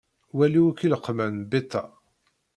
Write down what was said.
Wali akk ileqman beta.